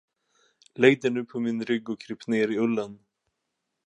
Lägg dig nu på min rygg och kryp ner i ullen!